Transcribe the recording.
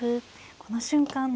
この瞬間の。